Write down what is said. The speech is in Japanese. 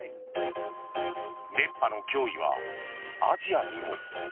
熱波の脅威はアジアにも。